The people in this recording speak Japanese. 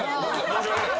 申し訳ない。